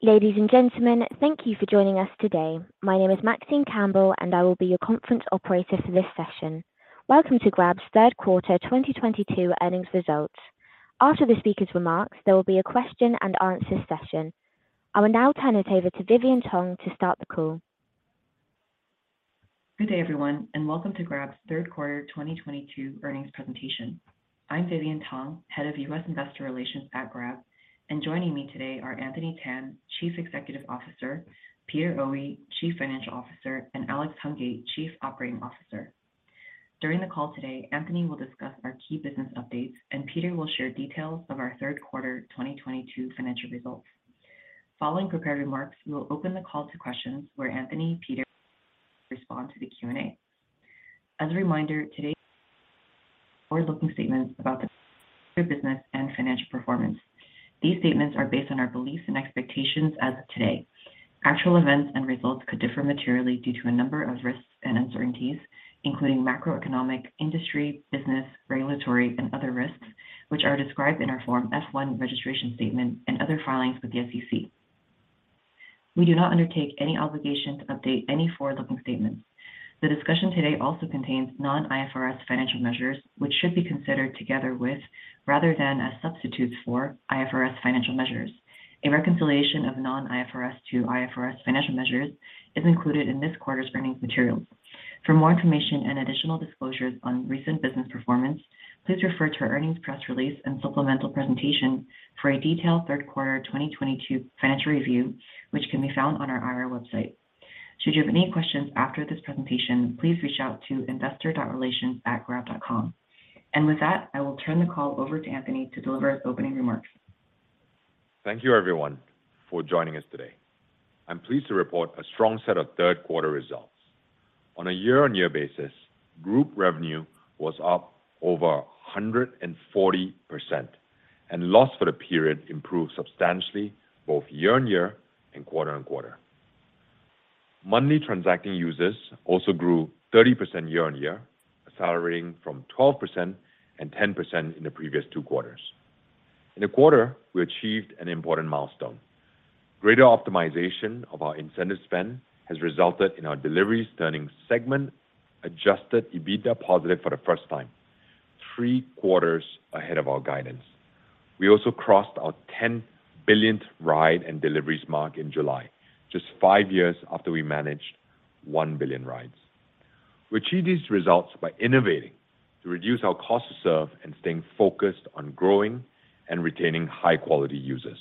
Ladies and gentlemen, thank you for joining us today. My name is Maxine Campbell, and I will be your conference operator for this session. Welcome to Grab's third quarter 2022 earnings results. After the speaker's remarks, there will be a question and answer session. I will now turn it over to Vivian Tong to start the call. Good day, everyone, and welcome to Grab's third quarter 2022 earnings presentation. I'm Vivian Tong, Head of U.S. Investor Relations at Grab, and joining me today are Anthony Tan, Chief Executive Officer, Peter Oey, Chief Financial Officer, and Alex Hungate, Chief Operating Officer. During the call today, Anthony will discuss our key business updates and Peter will share details of our third quarter 2022 financial results. Following prepared remarks, we will open the call to questions where Anthony, Peter respond to the Q&A. As a reminder, today's forward-looking statements about the business and financial performance. These statements are based on our beliefs and expectations as of today. Actual events and results could differ materially due to a number of risks and uncertainties, including macroeconomic, industry, business, regulatory and other risks, which are described in our Form S-1 registration statement and other filings with the SEC. We do not undertake any obligation to update any forward-looking statements. The discussion today also contains non-IFRS financial measures, which should be considered together with, rather than as substitutes for, IFRS financial measures. A reconciliation of non-IFRS to IFRS financial measures is included in this quarter's earnings materials. For more information and additional disclosures on recent business performance, please refer to our earnings press release and supplemental presentation for a detailed third quarter 2022 financial review, which can be found on our IR website. Should you have any questions after this presentation, please reach out to investor.relations@grab.com. With that, I will turn the call over to Anthony to deliver his opening remarks. Thank you, everyone for joining us today. I'm pleased to report a strong set of third quarter results. On a year-on-year basis, group revenue was up over 140%, and loss for the period improved substantially both year-on-year and quarter-on-quarter. Monthly transacting users also grew 30% year-on-year, accelerating from 12% and 10% in the previous two quarters. In the quarter, we achieved an important milestone. Greater optimization of our incentive spend has resulted in our deliveries turning segment adjusted EBITDA positive for the first time, three quarters ahead of our guidance. We also crossed our 10th billionth ride and deliveries mark in July, just five years after we managed 1 billion rides. We achieved these results by innovating to reduce our cost to serve and staying focused on growing and retaining high-quality users.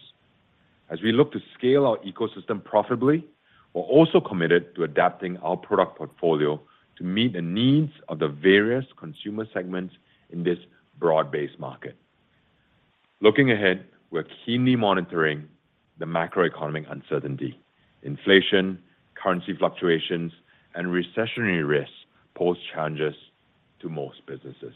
As we look to scale our ecosystem profitably, we're also committed to adapting our product portfolio to meet the needs of the various consumer segments in this broad-based market. Looking ahead, we're keenly monitoring the macroeconomic uncertainty, inflation, currency fluctuations, and recessionary risks pose challenges to most businesses.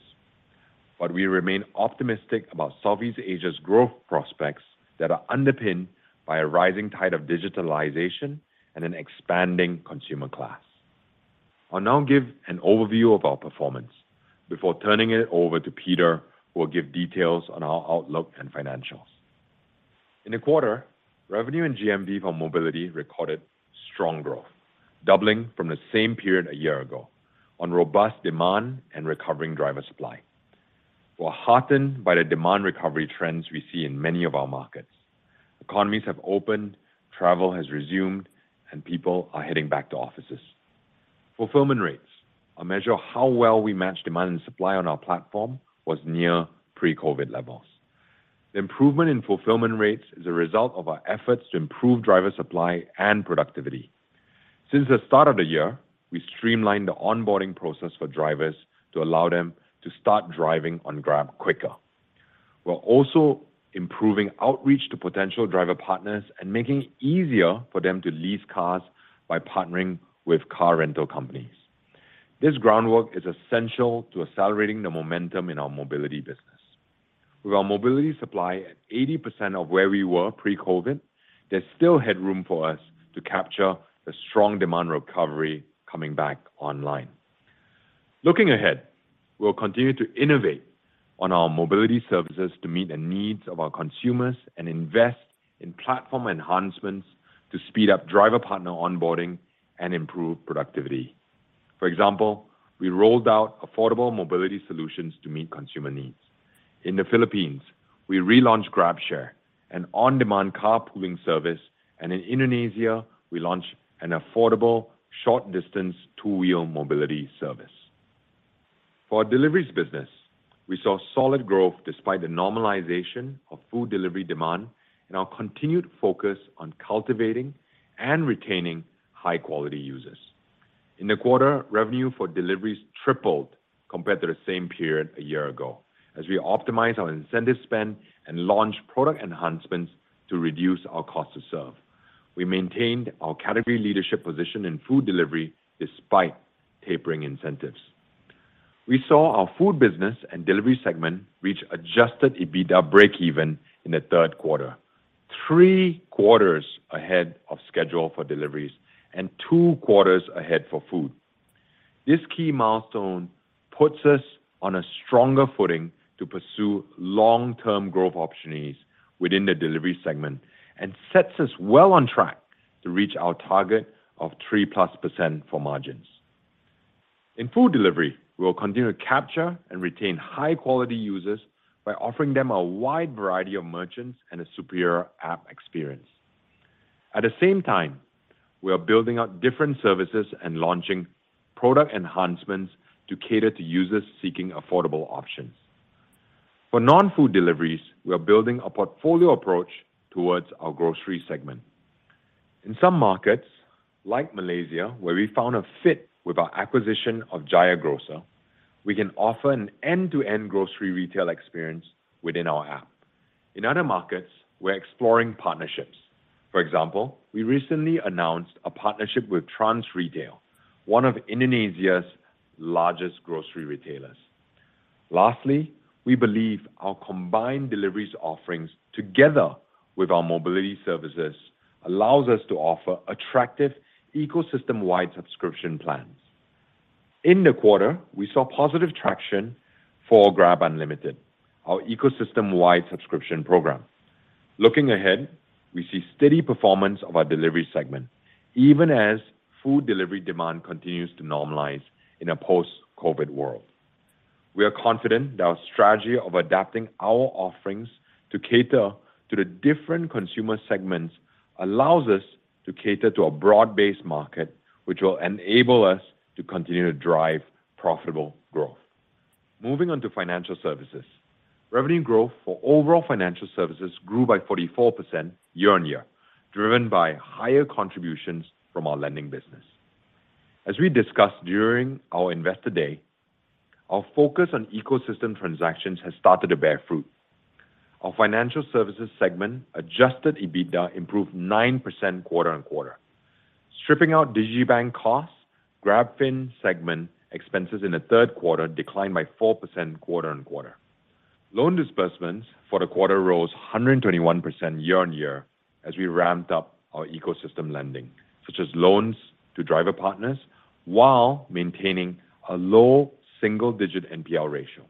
We remain optimistic about Southeast Asia's growth prospects that are underpinned by a rising tide of digitalization and an expanding consumer class. I'll now give an overview of our performance before turning it over to Peter, who will give details on our outlook and financials. In the quarter, revenue and GMV for mobility recorded strong growth, doubling from the same period a year ago on robust demand and recovering driver supply. We're heartened by the demand recovery trends we see in many of our markets. Economies have opened, travel has resumed, and people are heading back to offices. Fulfillment rates measure how well we match demand and supply on our platform are near pre-COVID levels. The improvement in fulfillment rates is a result of our efforts to improve driver supply and productivity. Since the start of the year, we streamlined the onboarding process for drivers to allow them to start driving on Grab quicker. We're also improving outreach to potential driver partners and making it easier for them to lease cars by partnering with car rental companies. This groundwork is essential to accelerating the momentum in our mobility business. With our mobility supply at 80% of where we were pre-COVID, there's still headroom for us to capture the strong demand recovery coming back online. Looking ahead, we'll continue to innovate on our mobility services to meet the needs of our consumers and invest in platform enhancements to speed up driver partner onboarding and improve productivity. For example, we rolled out affordable mobility solutions to meet consumer needs. In the Philippines, we relaunched Grab Share, an on-demand carpooling service, and in Indonesia, we launched an affordable short distance two-wheel mobility service. For our deliveries business, we saw solid growth despite the normalization of food delivery demand and our continued focus on cultivating and retaining high-quality users. In the quarter, revenue for deliveries tripled compared to the same period a year ago, as we optimize our incentive spend and launch product enhancements to reduce our cost to serve. We maintained our category leadership position in food delivery despite tapering incentives. We saw our food business and delivery segment reach adjusted EBITDA breakeven in the third quarter, three quarters ahead of schedule for deliveries and two quarters ahead for food. This key milestone puts us on a stronger footing to pursue long-term growth opportunities within the delivery segment and sets us well on track to reach our target of 3%+ for margins. In food delivery, we will continue to capture and retain high-quality users by offering them a wide variety of merchants and a superior app experience. At the same time, we are building out different services and launching product enhancements to cater to users seeking affordable options. For non-food deliveries, we are building a portfolio approach towards our grocery segment. In some markets like Malaysia, where we found a fit with our acquisition of Jaya Grocer, we can offer an end-to-end grocery retail experience within our app. In other markets, we're exploring partnerships. For example, we recently announced a partnership with Trans Retail Indonesia, one of Indonesia's largest grocery retailers. Lastly, we believe our combined deliveries offerings, together with our mobility services, allows us to offer attractive ecosystem-wide subscription plans. In the quarter, we saw positive traction for Grab Unlimited, our ecosystem-wide subscription program. Looking ahead, we see steady performance of our delivery segment, even as food delivery demand continues to normalize in a post-COVID world. We are confident that our strategy of adapting our offerings to cater to the different consumer segments allows us to cater to a broad-based market, which will enable us to continue to drive profitable growth. Moving on to financial services. Revenue growth for overall financial services grew by 44% year-on-year, driven by higher contributions from our lending business. As we discussed during our Investor Day, our focus on ecosystem transactions has started to bear fruit. Our financial services segment adjusted EBITDA improved 9% quarter-on-quarter. Stripping out digibank costs, GrabFin segment expenses in the third quarter declined by 4% quarter-on-quarter. Loan disbursements for the quarter rose 121% year-on-year as we ramped up our ecosystem lending, such as loans to driver partners while maintaining a low single-digit NPL ratio.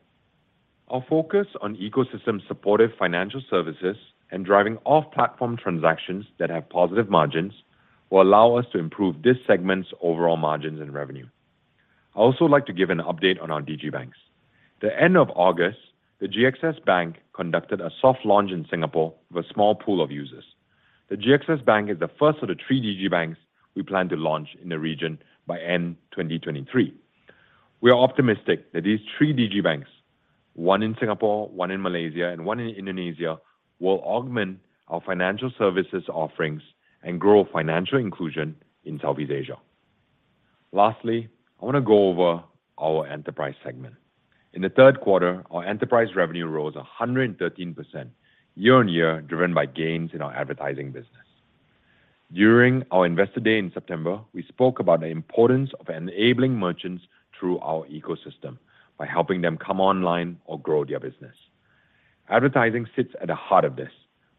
Our focus on ecosystem supportive financial services and driving off-platform transactions that have positive margins will allow us to improve this segment's overall margins and revenue. I also like to give an update on our digibanks. At the end of August, the GXS Bank conducted a soft launch in Singapore with a small pool of users. The GXS Bank is the first of the three Digibanks we plan to launch in the region by end 2023. We are optimistic that these three digibanks, one in Singapore, one in Malaysia, and one in Indonesia, will augment our financial services offerings and grow financial inclusion in Southeast Asia. Lastly, I wanna go over our enterprise segment. In the third quarter, our enterprise revenue rose 113% year-on-year, driven by gains in our advertising business. During our Investor Day in September, we spoke about the importance of enabling merchants through our ecosystem by helping them come online or grow their business. Advertising sits at the heart of this.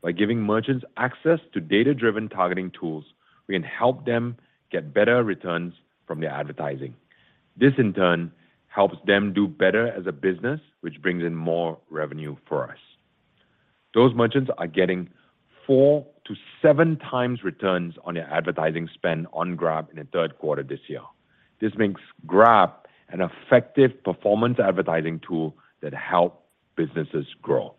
By giving merchants access to data-driven targeting tools, we can help them get better returns from their advertising. This, in turn, helps them do better as a business, which brings in more revenue for us. Those merchants are getting four-seven times returns on their advertising spend on Grab in the third quarter this year. This makes Grab an effective performance advertising tool that help businesses grow.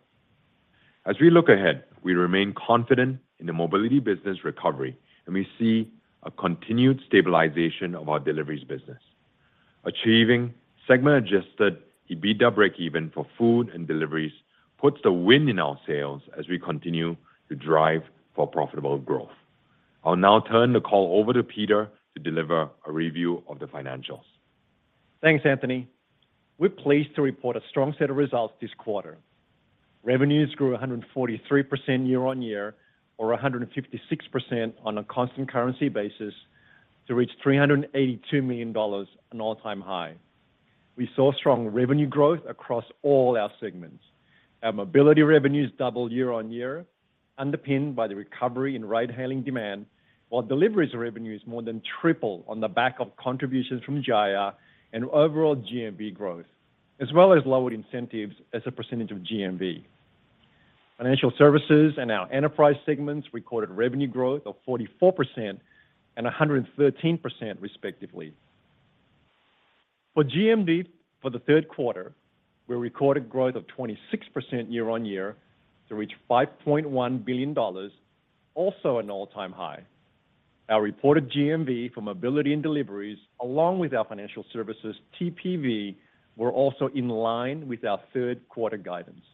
As we look ahead, we remain confident in the mobility business recovery, and we see a continued stabilization of our deliveries business. Achieving segment-adjusted EBITDA breakeven for food and deliveries puts the wind in our sails as we continue to drive for profitable growth. I'll now turn the call over to Peter to deliver a review of the financials. Thanks, Anthony. We're pleased to report a strong set of results this quarter. Revenues grew 143% year-on-year or 156% on a constant currency basis to reach $382 million, an all-time high. We saw strong revenue growth across all our segments. Our mobility revenues doubled year-on-year, underpinned by the recovery in ride-hailing demand, while deliveries revenues more than tripled on the back of contributions from Jaya and overall GMV growth, as well as lower incentives as a percentage of GMV. Financial services and our enterprise segments recorded revenue growth of 44% and 113%, respectively. For GMV for the third quarter, we recorded growth of 26% year-on-year to reach $5.1 billion, also an all-time high. Our reported GMV for mobility and deliveries, along with our financial services TPV, were also in line with our third quarter guidance.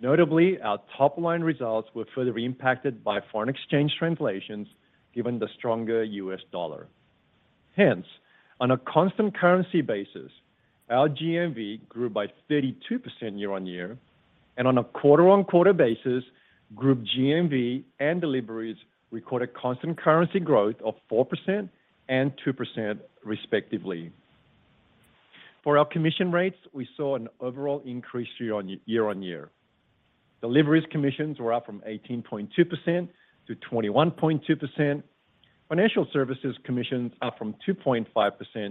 Notably, our top-line results were further impacted by foreign exchange translations given the stronger US dollar. Hence, on a constant currency basis, our GMV grew by 32% year-on-year and on a quarter-on-quarter basis, group GMV and deliveries recorded constant currency growth of 4% and 2%, respectively. For our commission rates, we saw an overall increase year-on-year. Deliveries commissions were up from 18.2% to 21.2%. Financial services commissions up from 2.5%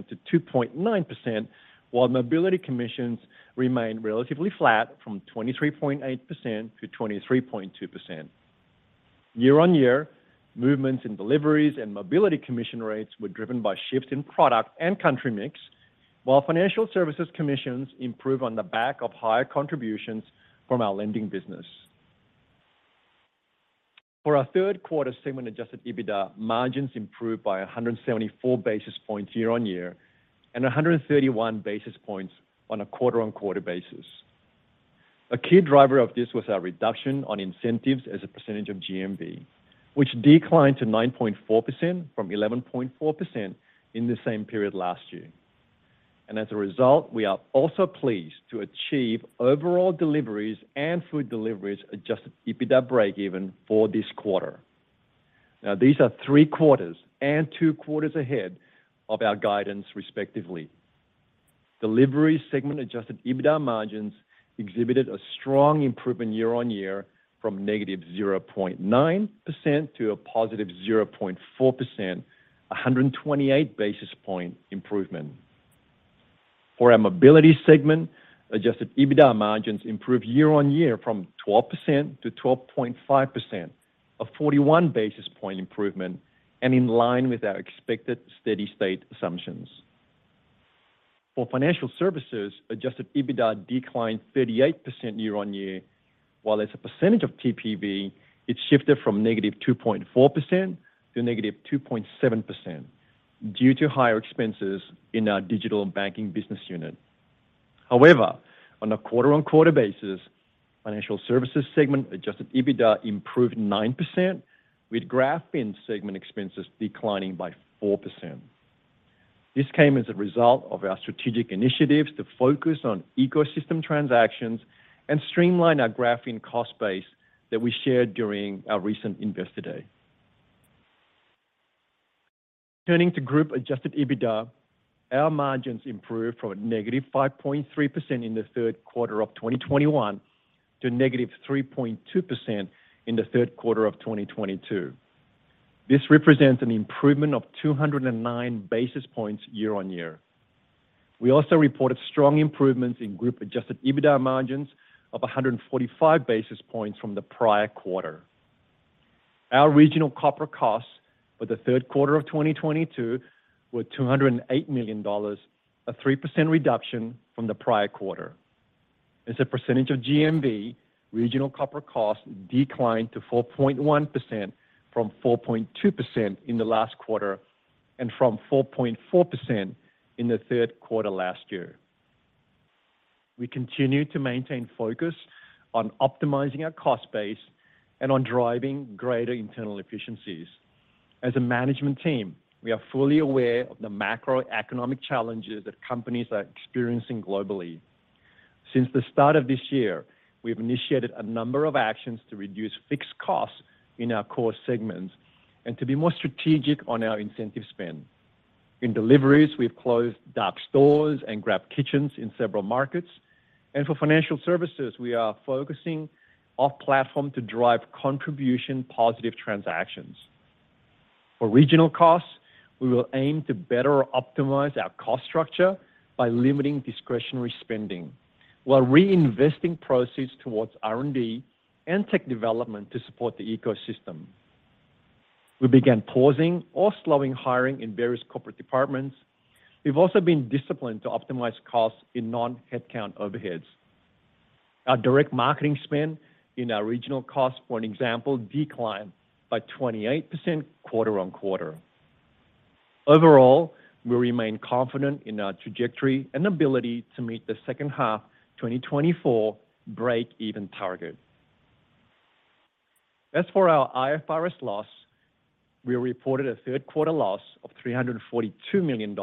to 2.9%, while mobility commissions remained relatively flat from 23.8% to 23.2%. Year-on-year, movements in deliveries and mobility commission rates were driven by shifts in product and country mix, while financial services commissions improve on the back of higher contributions from our lending business. For our third quarter segment adjusted EBITDA, margins improved by 174 basis points year-on-year, and 131 basis points on a quarter-on-quarter basis. A key driver of this was our reduction on incentives as a percentage of GMV, which declined to 9.4% from 11.4% in the same period last year. As a result, we are also pleased to achieve overall deliveries and food deliveries adjusted EBITDA breakeven for this quarter. Now, these are three quarters and two quarters ahead of our guidance, respectively. Delivery segment adjusted EBITDA margins exhibited a strong improvement year-on-year from -0.9% to +0.4%, a 128 basis point improvement. For our mobility segment, adjusted EBITDA margins improved year-on-year from 12% to 12.5%. A 41 basis point improvement and in line with our expected steady-state assumptions. For financial services, adjusted EBITDA declined 38% year-on-year, while as a percentage of TPV, it shifted from -2.4% to -2.7% due to higher expenses in our digital banking business unit. However, on a quarter-on-quarter basis, financial services segment adjusted EBITDA improved 9%, with GrabFin segment expenses declining by 4%. This came as a result of our strategic initiatives to focus on ecosystem transactions and streamline our GrabFin cost base that we shared during our recent Investor Day. Turning to group-adjusted EBITDA, our margins improved from a negative 5.3% in the third quarter of 2021 to negative 3.2% in the third quarter of 2022. This represents an improvement of 209 basis points year-on-year. We also reported strong improvements in group-adjusted EBITDA margins of 145 basis points from the prior quarter. Our regional corporate costs for the third quarter of 2022 were $208 million, a 3% reduction from the prior quarter. As a percentage of GMV, regional corporate costs declined to 4.1% from 4.2% in the last quarter and from 4.4% in the third quarter last year. We continue to maintain focus on optimizing our cost base and on driving greater internal efficiencies. As a management team, we are fully aware of the macroeconomic challenges that companies are experiencing globally. Since the start of this year, we have initiated a number of actions to reduce fixed costs in our core segments and to be more strategic on our incentive spend. In deliveries, we've closed dark stores and Grab kitchens in several markets. For financial services, we are focusing off-platform to drive contribution positive transactions. For regional costs, we will aim to better optimize our cost structure by limiting discretionary spending while reinvesting proceeds towards R&D and tech development to support the ecosystem. We began pausing or slowing hiring in various corporate departments. We've also been disciplined to optimize costs in non-headcount overheads. Our direct marketing spend in our regional costs, for example, declined by 28% quarter-over-quarter. Overall, we remain confident in our trajectory and ability to meet the H2 2024 break-even target. As for our IFRS loss, we reported a third quarter loss of $342 million,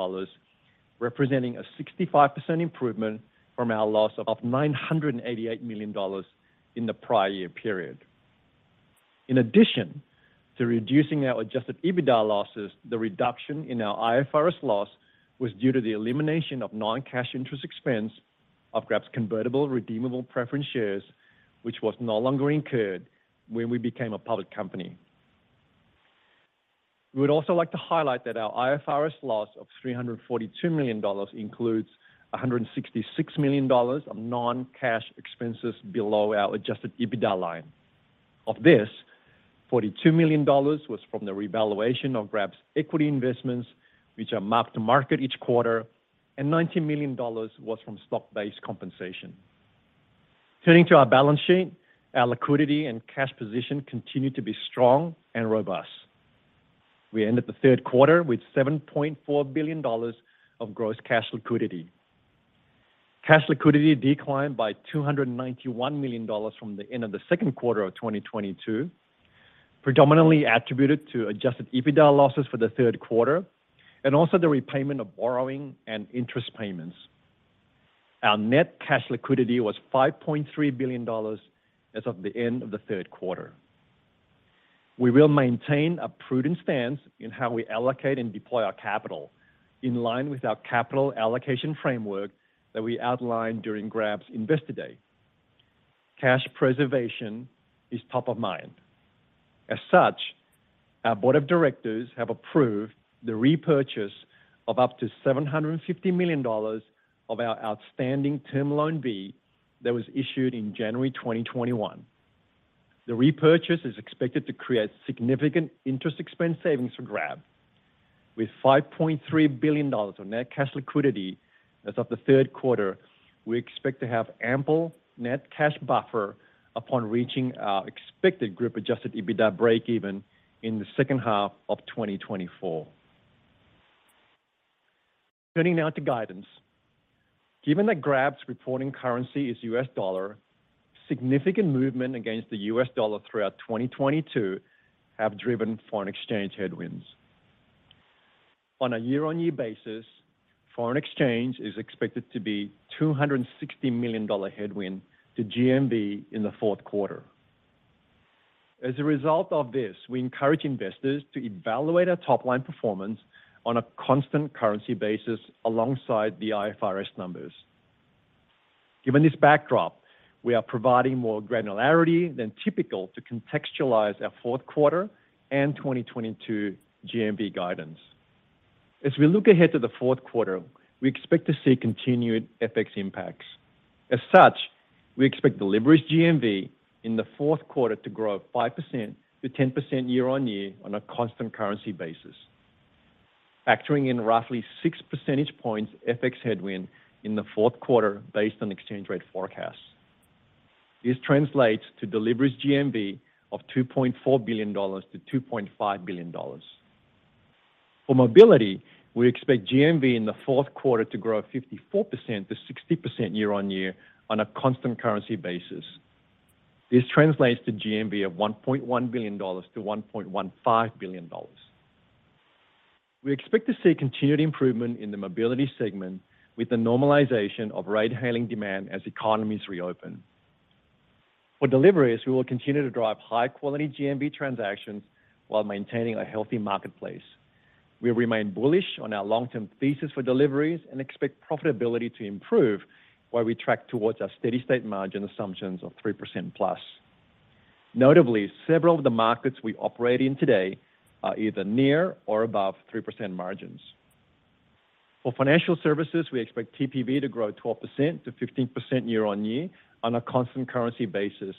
representing a 65% improvement from our loss of $988 million in the prior year period. In addition to reducing our adjusted EBITDA losses, the reduction in our IFRS loss was due to the elimination of non-cash interest expense of Grab's convertible redeemable preference shares, which was no longer incurred when we became a public company. We would also like to highlight that our IFRS loss of $342 million includes $166 million of non-cash expenses below our adjusted EBITDA line. Of this, $42 million was from the revaluation of Grab's equity investments, which are marked to market each quarter, and $19 million was from stock-based compensation. Turning to our balance sheet, our liquidity and cash position continued to be strong and robust. We ended the third quarter with $7.4 billion of gross cash liquidity. Cash liquidity declined by $291 million from the end of the second quarter of 2022, predominantly attributed to adjusted EBITDA losses for the third quarter and also the repayment of borrowing and interest payments. Our net cash liquidity was $5.3 billion as of the end of the third quarter. We will maintain a prudent stance in how we allocate and deploy our capital in line with our capital allocation framework that we outlined during Grab's Investor Day. Cash preservation is top of mind. As such, our board of directors have approved the repurchase of up to $750 million of our outstanding Term Loan B that was issued in January 2021. The repurchase is expected to create significant interest expense savings for Grab. With $5.3 billion of net cash liquidity as of the third quarter, we expect to have ample net cash buffer upon reaching our expected group-adjusted EBITDA breakeven in the H2 of 2024. Turning now to guidance. Given that Grab's reporting currency is US dollar, significant movement against the US dollar throughout 2022 have driven foreign exchange headwinds. On a year-on-year basis, foreign exchange is expected to be $260 million headwind to GMV in the fourth quarter. As a result of this, we encourage investors to evaluate our top-line performance on a constant currency basis alongside the IFRS numbers. Given this backdrop, we are providing more granularity than typical to contextualize our fourth quarter and 2022 GMV guidance. As we look ahead to the fourth quarter, we expect to see continued FX impacts. As such, we expect deliveries GMV in the fourth quarter to grow 5%-10% year-on-year on a constant currency basis. Factoring in roughly 6% points FX headwind in the fourth quarter based on exchange rate forecasts. This translates to deliveries GMV of $2.4 billion-$2.5 billion. For mobility, we expect GMV in the fourth quarter to grow 54%-60% year-on-year on a constant currency basis. This translates to GMV of $1.1 billion-$1.15 billion. We expect to see continued improvement in the mobility segment with the normalization of ride-hailing demand as economies reopen. For deliveries, we will continue to drive high-quality GMV transactions while maintaining a healthy marketplace. We remain bullish on our long-term thesis for deliveries and expect profitability to improve while we track towards our steady-state margin assumptions of 3%+. Notably, several of the markets we operate in today are either near or above 3% margins. For financial services, we expect TPV to grow 12%-15% year-on-year on a constant currency basis,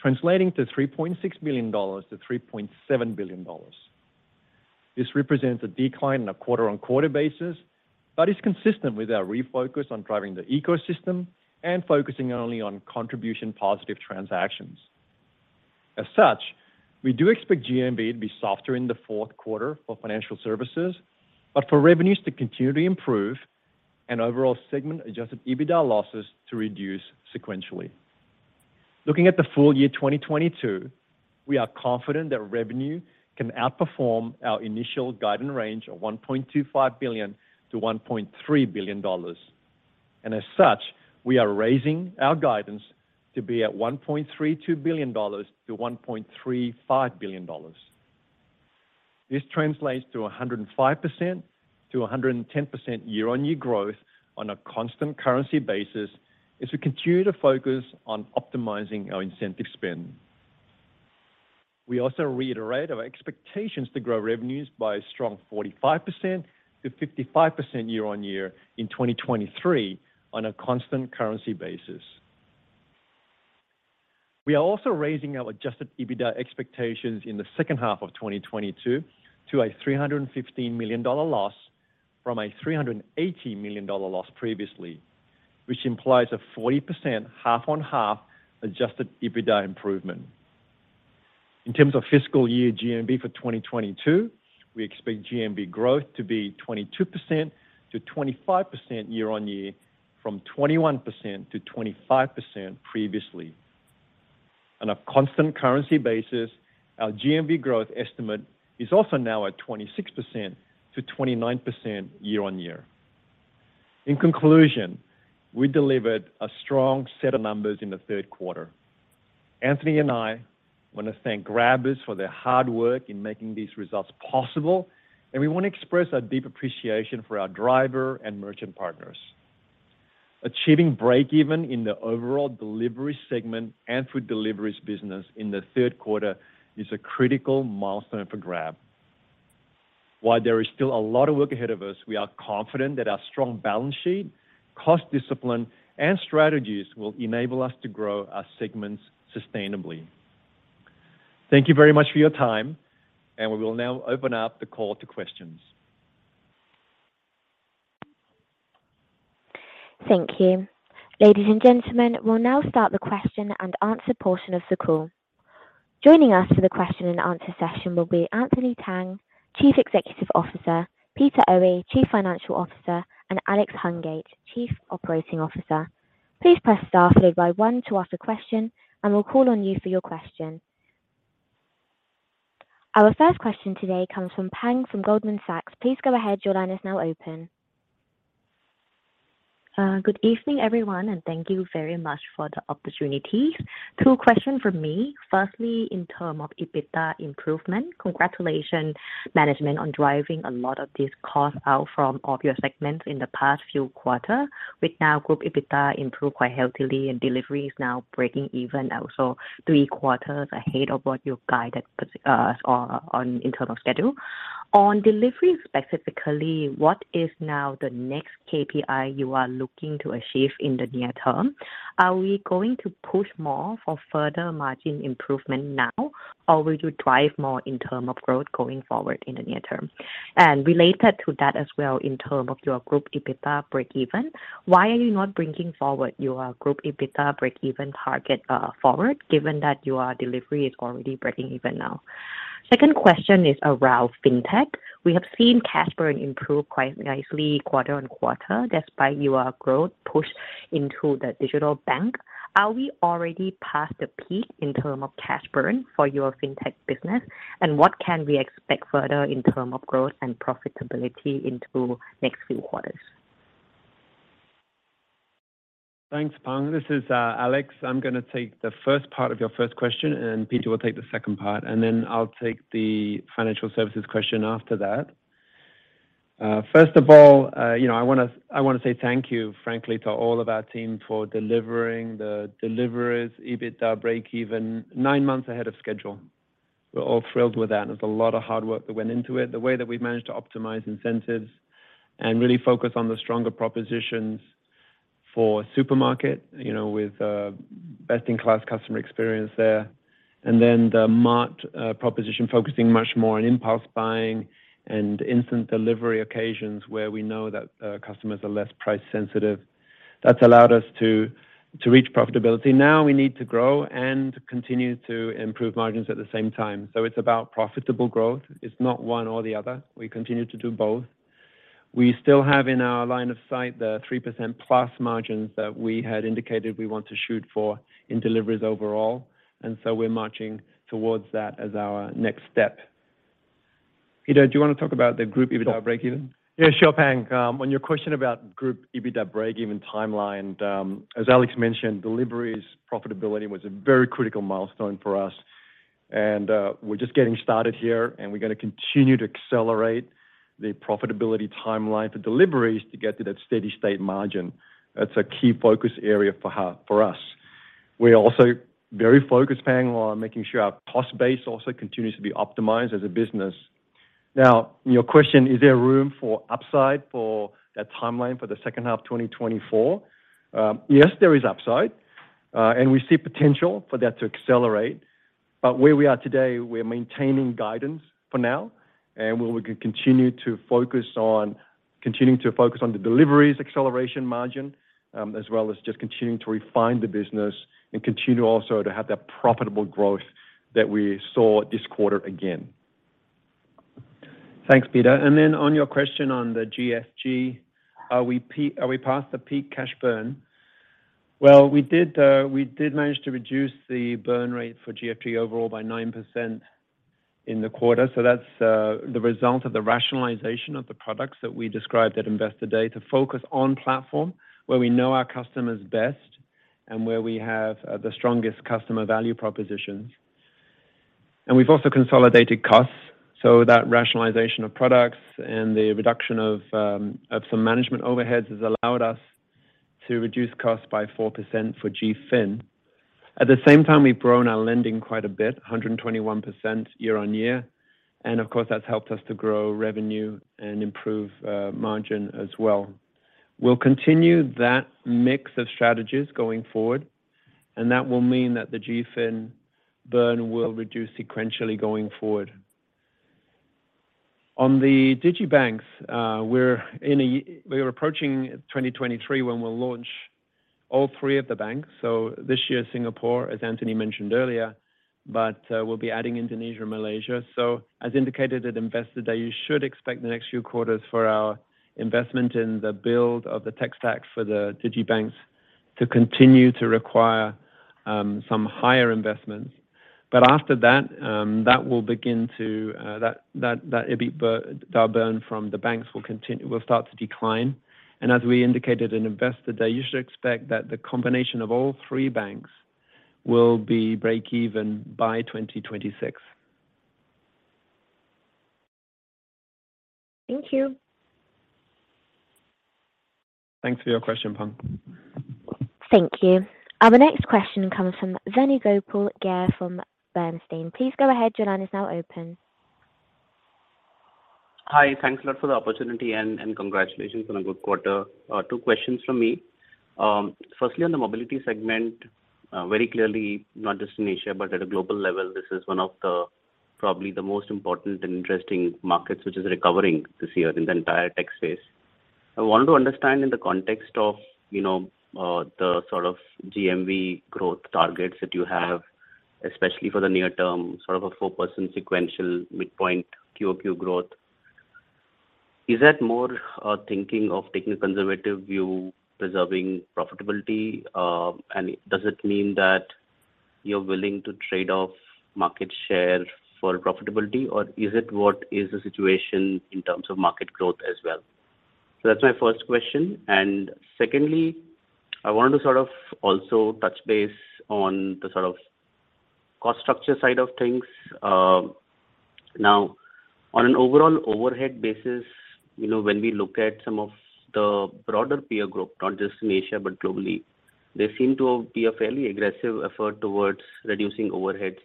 translating to $3.6 billion-$3.7 billion. This represents a decline in a quarter-on-quarter basis but is consistent with our refocus on driving the ecosystem and focusing only on contribution positive transactions. As such, we do expect GMV to be softer in the fourth quarter for financial services, but for revenues to continue to improve and overall segment-adjusted EBITDA losses to reduce sequentially. Looking at the full year 2022, we are confident that revenue can outperform our initial guidance range of $1.25 billion-$1.3 billion. As such, we are raising our guidance to be at $1.32 billion-$1.35 billion. This translates to 105%-110% year-on-year growth on a constant currency basis as we continue to focus on optimizing our incentive spend. We also reiterate our expectations to grow revenues by a strong 45%-55% year-on-year in 2023 on a constant currency basis. We are also raising our adjusted EBITDA expectations in the H2 of 2022 to a $315 million loss from a $380 million loss previously, which implies a 40% half-on-half adjusted EBITDA improvement. In terms of fiscal year GMV for 2022, we expect GMV growth to be 22%-25% year-on-year from 21%-25% previously. On a constant currency basis, our GMV growth estimate is also now at 26%-29% year-on-year. In conclusion, we delivered a strong set of numbers in the third quarter. Anthony and I want to thank Grabbers for their hard work in making these results possible, and we want to express our deep appreciation for our driver and merchant partners. Achieving breakeven in the overall delivery segment and food deliveries business in the third quarter is a critical milestone for Grab. While there is still a lot of work ahead of us, we are confident that our strong balance sheet, cost discipline, and strategies will enable us to grow our segments sustainably. Thank you very much for your time, and we will now open up the call to questions. Thank you. Ladies and gentlemen, we'll now start the question and answer portion of the call. Joining us for the question and answer session will be Anthony Tan, Chief Executive Officer, Peter Oey, Chief Financial Officer, and Alex Hungate, Chief Operating Officer. Please press star followed by one to ask a question, and we'll call on you for your question. Our first question today comes from Pang Vittayaamnuaykoon from Goldman Sachs. Please go ahead. Your line is now open. Good evening everyone, and thank you very much for the opportunity. Two questions from me. Firstly, in terms of EBITDA improvement, congratulations management on driving a lot of these costs out from all of your segments in the past few quarters. With the group EBITDA now improving quite healthily and delivery now breaking even also three quarters ahead of what you guided us on internal schedule. On delivery specifically, what is now the next KPI you are looking to achieve in the near term? Are we going to push more for further margin improvement now or will you drive more in terms of growth going forward in the near term? Related to that as well in terms of your group EBITDA breakeven, why are you not bringing forward your group EBITDA breakeven target forward given that your delivery is already breaking even now? Second question is around FinTech. We have seen cash burn improve quite nicely quarter-over-quarter despite your growth push into the digital bank. Are we already past the peak in terms of cash burn for your FinTech business? What can we expect further in terms of growth and profitability into next few quarters? Thanks, Pang. This is Alex. I'm gonna take the first part of your first question, and Peter will take the second part, and then I'll take the financial services question after that. First of all, you know, I wanna say thank you frankly to all of our team for delivering the Deliveries EBITDA breakeven nine months ahead of schedule. We're all thrilled with that, and it's a lot of hard work that went into it. The way that we've managed to optimize incentives and really focus on the stronger propositions for supermarket, you know, with best in class customer experience there, and then the mart proposition focusing much more on impulse buying and instant delivery occasions where we know that customers are less price sensitive. That's allowed us to reach profitability. Now we need to grow and continue to improve margins at the same time. It's about profitable growth. It's not one or the other. We continue to do both. We still have in our line of sight the 3%+ margins that we had indicated we want to shoot for in deliveries overall, and so we're marching towards that as our next step. Peter, do you wanna talk about the group EBITDA breakeven? Sure. Yeah, sure Pang. On your question about group EBITDA breakeven timeline, as Alex mentioned, deliveries profitability was a very critical milestone for us. We're just getting started here, and we're gonna continue to accelerate the profitability timeline for deliveries to get to that steady state margin. That's a key focus area for us. We're also very focused, Pang, on making sure our cost base also continues to be optimized as a business. Now your question, is there room for upside for that timeline for the H2 of 2024? Yes, there is upside, and we see potential for that to accelerate. Where we are today, we are maintaining guidance for now, and we can continue to focus on the deliveries acceleration margin, as well as just continuing to refine the business and continue also to have that profitable growth that we saw this quarter again. Thanks, Peter. On your question on the GFS, are we peak, are we past the peak cash burn? We did manage to reduce the burn rate for GFS overall by 9% in the quarter. That's the result of the rationalization of the products that we described at Investor Day to focus on platform where we know our customers best and where we have the strongest customer value propositions. We've also consolidated costs so that rationalization of products and the reduction of some management overheads has allowed us to reduce costs by 4% for GrabFin. At the same time, we've grown our lending quite a bit, 121% year-over-year. Of course, that's helped us to grow revenue and improve margin as well. We'll continue that mix of strategies going forward, and that will mean that the GrabFin burn will reduce sequentially going forward. On the digibanks, we're approaching 2023 when we'll launch all three of the banks. This year, Singapore, as Anthony mentioned earlier, we'll be adding Indonesia and Malaysia. As indicated at Investor Day, you should expect the next few quarters for our investment in the build of the tech stack for the digibanks to continue to require some higher investments. After that EBITDA burn from the banks will start to decline. As we indicated in Investor Day, you should expect that the combination of all three banks will be breakeven by 2026. Thank you. Thanks for your question, Pang. Thank you. Our next question comes from Venugopal Garre from Bernstein. Please go ahead. Your line is now open. Hi. Thanks a lot for the opportunity and congratulations on a good quarter. Two questions from me. Firstly, on the mobility segment, very clearly, not just in Asia, but at a global level, this is one of the probably the most important and interesting markets which is recovering this year in the entire tech space. I want to understand in the context of, you know, the sort of GMV growth targets that you have, especially for the near term, sort of a 4% sequential midpoint quarter-over-quarter growth. Is that more a thinking of taking a conservative view, preserving profitability? And does it mean that you're willing to trade off market share for profitability or is it what is the situation in terms of market growth as well? That's my first question. Secondly, I wanted to sort of also touch base on the sort of cost structure side of things. Now on an overall overhead basis, you know, when we look at some of the broader peer group, not just in Asia, but globally, there seem to be a fairly aggressive effort towards reducing overheads,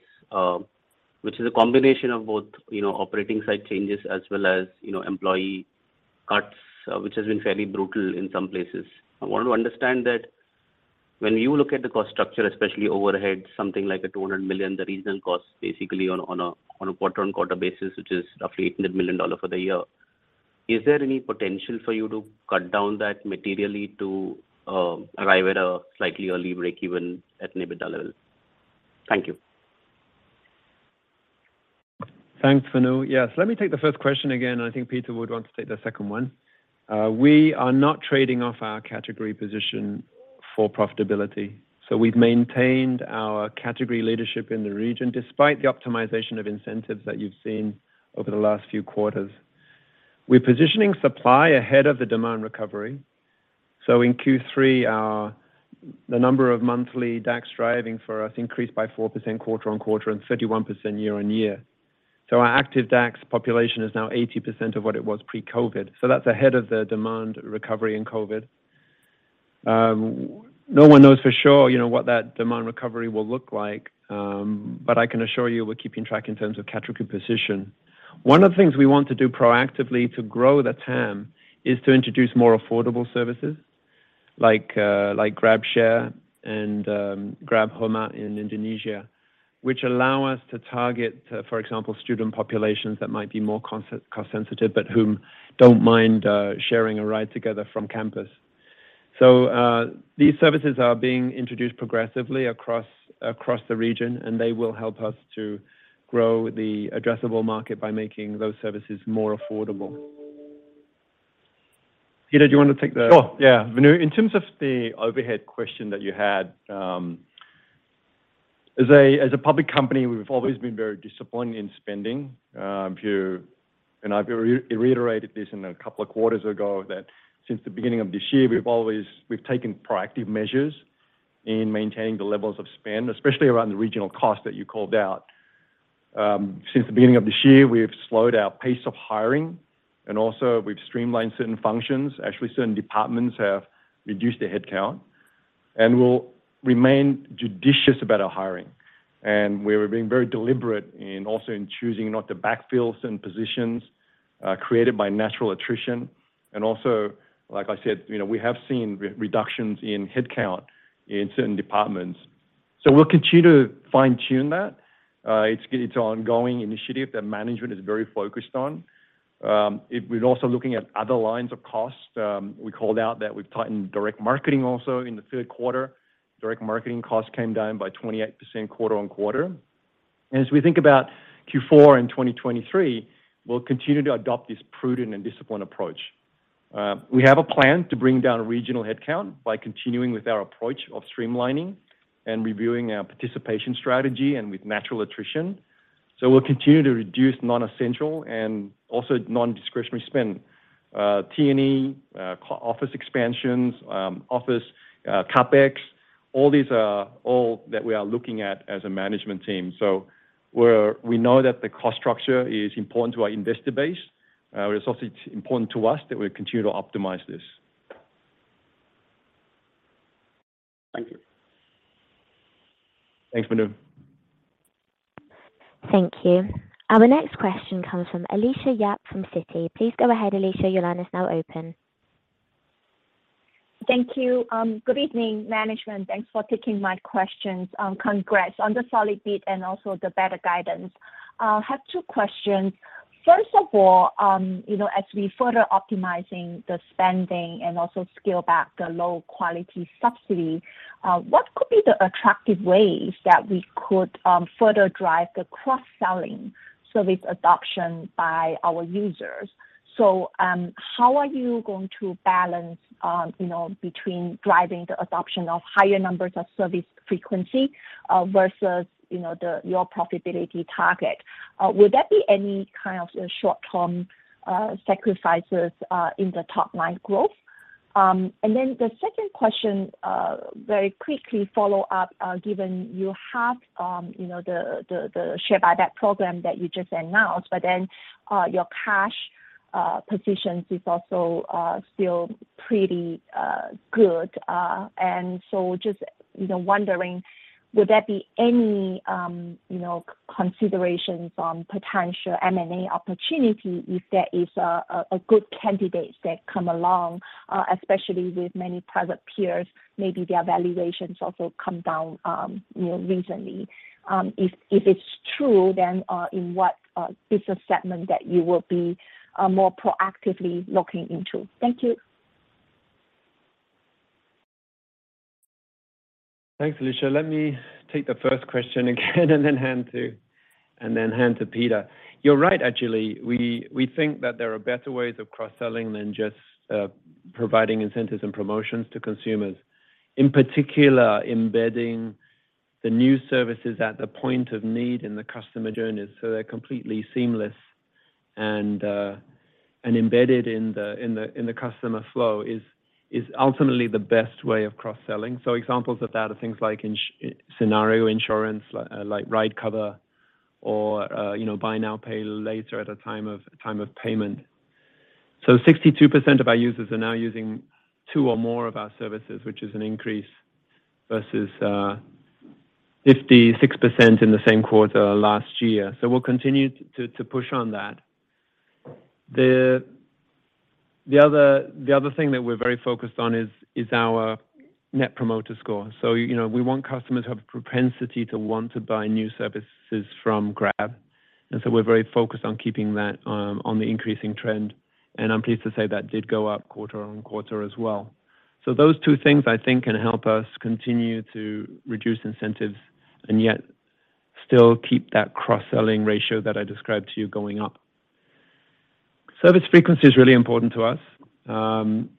which is a combination of both, you know, operating side changes as well as, you know, employee cuts, which has been fairly brutal in some places. I want to understand that when you look at the cost structure, especially overhead, something like a $200 million, the regional cost basically on a quarter-on-quarter basis, which is roughly $800 million for the year. Is there any potential for you to cut down that materially to arrive at a slightly early breakeven at net level? Thank you. Thanks, Venu. Yes. Let me take the first question again, and I think Peter would want to take the second one. We are not trading off our category position for profitability. We've maintained our category leadership in the region despite the optimization of incentives that you've seen over the last few quarters. We're positioning supply ahead of the demand recovery. In Q3, the number of monthly DAX driving for us increased by 4% quarter-on-quarter and 31% year-on-year. Our active DAX population is now 80% of what it was pre-COVID. That's ahead of the demand recovery in COVID. No one knows for sure, you know, what that demand recovery will look like, but I can assure you we're keeping track in terms of category position. One of the things we want to do proactively to grow the TAM is to introduce more affordable services like GrabShare and GrabHomer in Indonesia, which allow us to target, for example, student populations that might be more cost sensitive, but whom don't mind sharing a ride together from campus. These services are being introduced progressively across the region, and they will help us to grow the addressable market by making those services more affordable. Peter, do you want to take the- Sure. Yeah. Venu, in terms of the overhead question that you had, as a public company, we've always been very disciplined in spending. I've re-iterated this in a couple of quarters ago, that since the beginning of this year, we've taken proactive measures in maintaining the levels of spend, especially around the regional cost that you called out. Since the beginning of this year, we have slowed our pace of hiring, and also we've streamlined certain functions. Actually, certain departments have reduced their headcount, and we'll remain judicious about our hiring. We're being very deliberate in also choosing not to backfill certain positions created by natural attrition. Like I said, you know, we have seen reductions in headcount in certain departments. We'll continue to fine-tune that. It's ongoing initiative that management is very focused on. We're also looking at other lines of costs. We called out that we've tightened direct marketing also in the third quarter. Direct marketing costs came down by 28% quarter-over-quarter. As we think about Q4 in 2023, we'll continue to adopt this prudent and disciplined approach. We have a plan to bring down regional headcount by continuing with our approach of streamlining and reviewing our participation strategy and with natural attrition. We'll continue to reduce non-essential and also non-discretionary spend. T&E, office expansions, office CapEx, all these are what we are looking at as a management team. We know that the cost structure is important to our investor base. It's also important to us that we continue to optimize this. Thank you. Thanks, Venu. Thank you. Our next question comes from Alicia Yap from Citi. Please go ahead, Alicia. Your line is now open. Thank you. Good evening, management. Thanks for taking my questions. Congrats on the solid beat and also the better guidance. I have two questions. First of all, you know, as we further optimizing the spending and also scale back the low-quality subsidy, what could be the attractive ways that we could further drive the cross-selling service adoption by our users? So, how are you going to balance, you know, between driving the adoption of higher numbers of service frequency versus, you know, your profitability target? Would there be any kind of short-term sacrifices in the top line growth? The second question, very quickly follow up, given you have, you know, the share buyback program that you just announced, but then, your cash positions is also still pretty good. Just, you know, wondering, would there be any, you know, considerations on potential M&A opportunity if there is a good candidate that come along, especially with many private peers, maybe their valuations also come down, you know, recently. If it's true, then, in what business segment that you will be more proactively looking into? Thank you. Thanks, Alicia. Let me take the first question again and then hand to Peter. You're right, actually. We think that there are better ways of cross-selling than just providing incentives and promotions to consumers. In particular, embedding the new services at the point of need in the customer journeys, so they're completely seamless and embedded in the customer flow is ultimately the best way of cross-selling. Examples of that are things like scenario insurance, like Ride Cover or buy now, pay later at a time of payment. 62% of our users are now using two or more of our services, which is an increase versus 56% in the same quarter last year. We'll continue to push on that. The other thing that we're very focused on is our Net Promoter Score. You know, we want customers to have a propensity to want to buy new services from Grab, and so we're very focused on keeping that on the increasing trend. I'm pleased to say that did go up quarter-over-quarter as well. Those two things, I think, can help us continue to reduce incentives and yet still keep that cross-selling ratio that I described to you going up. Service frequency is really important to us.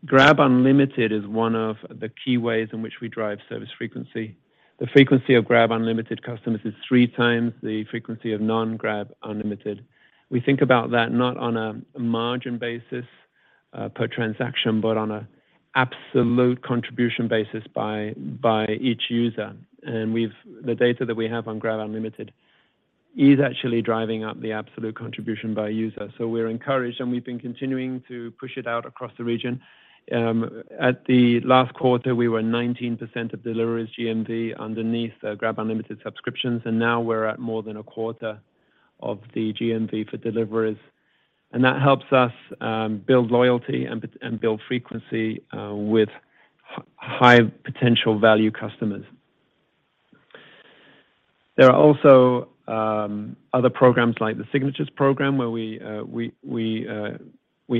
Grab Unlimited is one of the key ways in which we drive service frequency. The frequency of Grab Unlimited customers is three times the frequency of non-Grab Unlimited. We think about that not on a margin basis per transaction, but on a absolute contribution basis by each user. The data that we have on Grab Unlimited is actually driving up the absolute contribution by user. We're encouraged, and we've been continuing to push it out across the region. At the last quarter, we were 19% of deliveries GMV underneath Grab Unlimited subscriptions, and now we're at more than a quarter of the GMV for deliveries. That helps us build loyalty and build frequency with high potential value customers. There are also other programs like the Signatures program, where we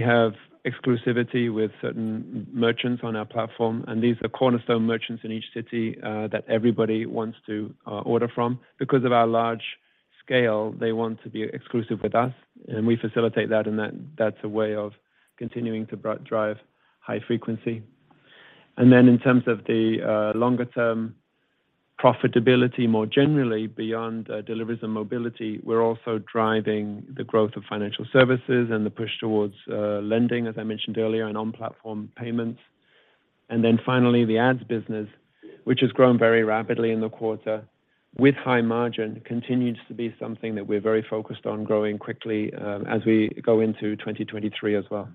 have exclusivity with certain merchants on our platform, and these are cornerstone merchants in each city that everybody wants to order from. Because of our large scale, they want to be exclusive with us, and we facilitate that, and that's a way of continuing to drive high frequency. In terms of the longer term profitability more generally beyond deliveries and mobility, we're also driving the growth of financial services and the push towards lending, as I mentioned earlier, and on-platform payments. Finally, the ads business, which has grown very rapidly in the quarter with high margin, continues to be something that we're very focused on growing quickly, as we go into 2023 as well.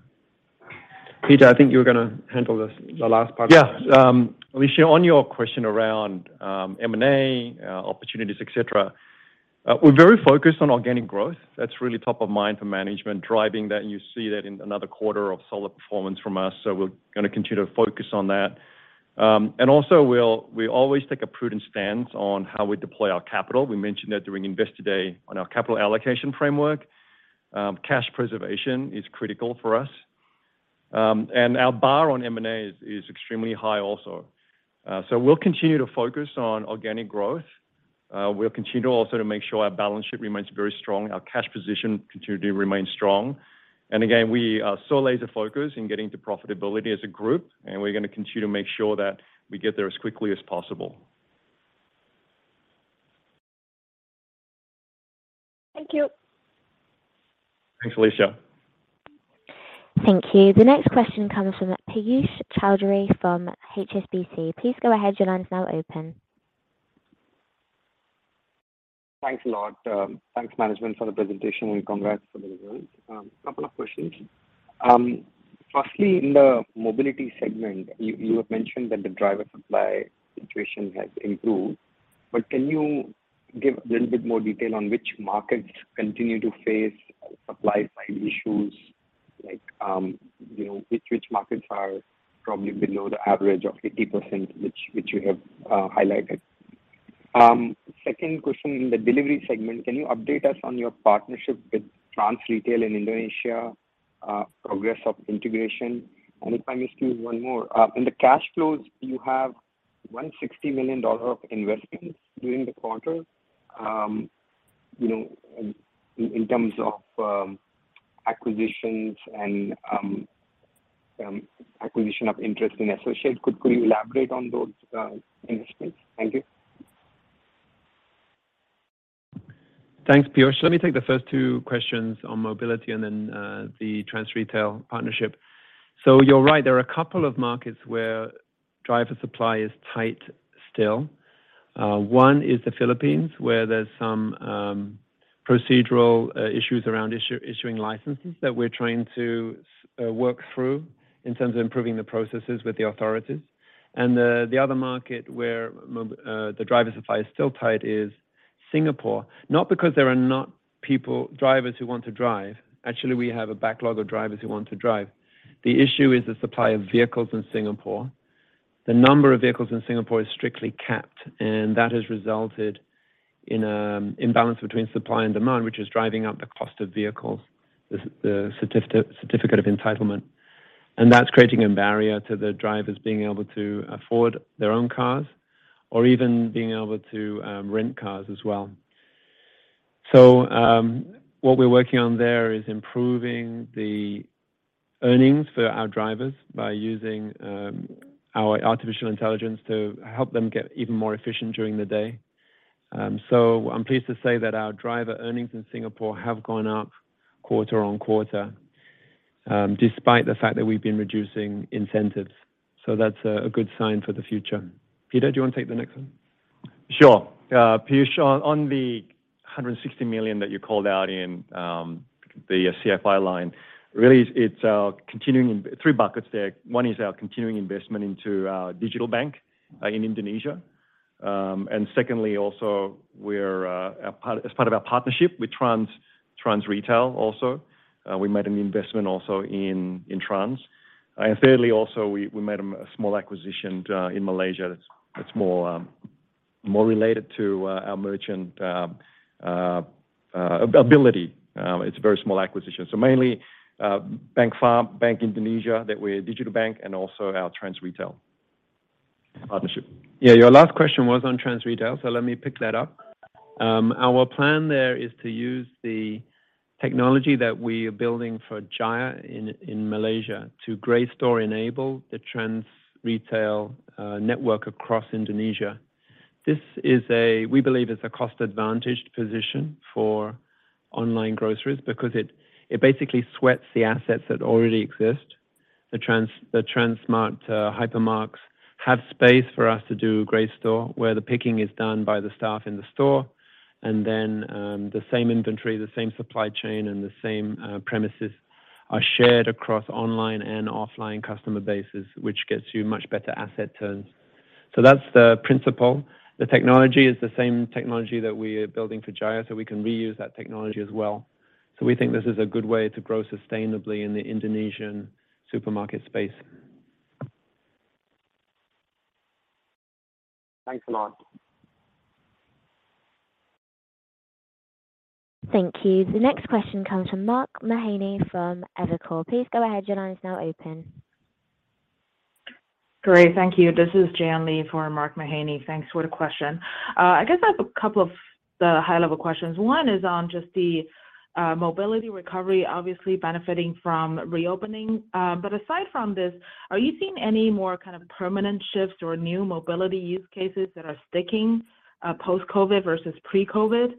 Peter, I think you were gonna handle this, the last part. Yeah. Alicia, on your question around M&A opportunities, et cetera, we're very focused on organic growth. That's really top of mind for management, driving that, and you see that in another quarter of solid performance from us. We're gonna continue to focus on that. We always take a prudent stance on how we deploy our capital. We mentioned that during Investor Day on our capital allocation framework. Cash preservation is critical for us. Our bar on M&A is extremely high also. We'll continue to focus on organic growth. We'll continue to also make sure our balance sheet remains very strong, our cash position continue to remain strong. Again, we are so laser-focused in getting to profitability as a group, and we're gonna continue to make sure that we get there as quickly as possible. Thank you. Thanks, Alicia. Thank you. The next question comes from Piyush Choudhary from HSBC. Please go ahead, your line is now open. Thanks a lot. Thanks management for the presentation and congrats for the results. A couple of questions. Firstly, in the mobility segment, you have mentioned that the driver supply situation has improved, but can you give a little bit more detail on which markets continue to face supply side issues? Like, you know, which markets are probably below the average of 50%, which you have highlighted. Second question, in the delivery segment, can you update us on your partnership with Trans Retail Indonesia, progress of integration? If I may ask you one more. In the cash flows, you have $160 million of investments during the quarter, you know, in terms of acquisitions and acquisition of interest in associates. Could you elaborate on those investments? Thank you. Thanks, Piyush. Let me take the first two questions on mobility and then the Trans Retail partnership. You're right, there are a couple of markets where driver supply is tight still. One is the Philippines, where there's some procedural issues around issuing licenses that we're trying to work through in terms of improving the processes with the authorities. The other market where the driver supply is still tight is Singapore. Not because there are not people, drivers who want to drive. Actually, we have a backlog of drivers who want to drive. The issue is the supply of vehicles in Singapore. The number of vehicles in Singapore is strictly capped, and that has resulted in imbalance between supply and demand, which is driving up the cost of vehicles, the Certificate of Entitlement. That's creating a barrier to the drivers being able to afford their own cars or even being able to rent cars as well. What we're working on there is improving the earnings for our drivers by using our artificial intelligence to help them get even more efficient during the day. I'm pleased to say that our driver earnings in Singapore have gone up quarter-over-quarter, despite the fact that we've been reducing incentives. That's a good sign for the future. Peter, do you wanna take the next one? Sure. Piyush, on the $160 million that you called out in the CFI line, really it's continuing in three buckets there. One is our continuing investment into our digital bank in Indonesia. Secondly, also we're a part, as part of our partnership with Trans Retail, we made an investment also in Trans. Thirdly also, we made a small acquisition in Malaysia that's more related to our merchant ability. It's a very small acquisition. Mainly, Bank Fama in Indonesia that's our digital bank and also our Trans Retail partnership. Yeah. Your last question was on Trans Retail, so let me pick that up. Our plan there is to use the technology that we are building for Jaya in Malaysia to dark store enable the Trans Retail network across Indonesia. This we believe is a cost-advantaged position for online groceries because it basically sweats the assets that already exist. The Transmart Hypermarts have space for us to do dark store, where the picking is done by the staff in the store, and then the same inventory, the same supply chain, and the same premises are shared across online and offline customer bases, which gets you much better asset turns. That's the principle. The technology is the same technology that we are building for Jaya, so we can reuse that technology as well. We think this is a good way to grow sustainably in the Indonesian supermarket space. Thanks a lot. Thank you. The next question comes from Mark Mahaney from Evercore. Please go ahead. Your line is now open. Great. Thank you. This is Jan Lee for Mark Mahaney. Thanks for the question. I guess I have a couple of high-level questions. One is on just the mobility recovery obviously benefiting from reopening. But aside from this, are you seeing any more kind of permanent shifts or new mobility use cases that are sticking post-COVID versus pre-COVID?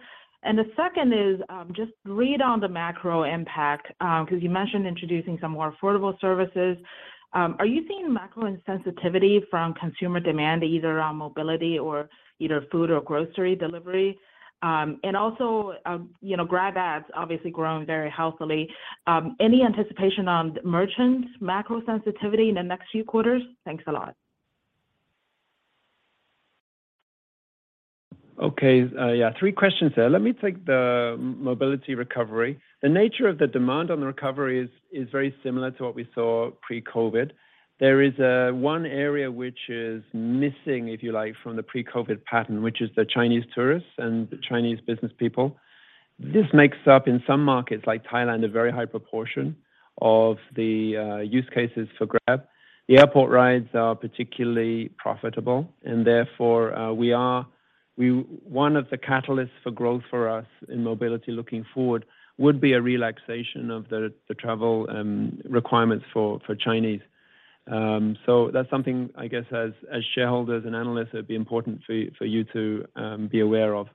And the second is just read on the macro impact, 'cause you mentioned introducing some more affordable services. Are you seeing macro insensitivity from consumer demand, either on mobility or either food or grocery delivery? And also, you know, Grab Ads obviously growing very healthily. Any anticipation on merchants' macro sensitivity in the next few quarters? Thanks a lot. Okay. Yeah, three questions there. Let me take the mobility recovery. The nature of the demand on the recovery is very similar to what we saw pre-COVID. There is one area which is missing, if you like, from the pre-COVID pattern, which is the Chinese tourists and Chinese business people. This makes up, in some markets like Thailand, a very high proportion of the use cases for Grab. The airport rides are particularly profitable and therefore, one of the catalysts for growth for us in mobility looking forward would be a relaxation of the travel requirements for Chinese. So that's something I guess as shareholders and analysts, it'd be important for you to be aware of.